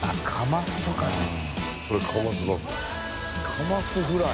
カマスフライ。